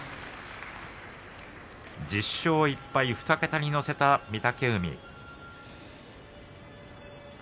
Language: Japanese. １０勝１敗、２桁に乗せた御嶽海。